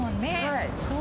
はい。